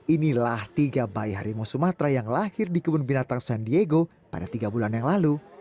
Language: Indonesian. inilah tiga bayi harimau sumatera yang lahir di kebun binatang san diego pada tiga bulan yang lalu